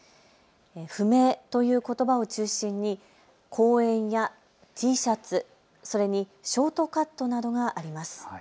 不明ということばを中心に公園やＴシャツ、それにショートカットなどがあります。